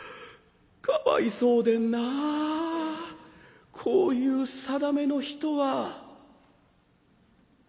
かわいそうでんなあこういう定めの人は」。